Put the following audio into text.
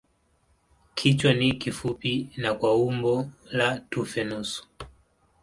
Kichwa ni kifupi na kwa umbo la tufe nusu.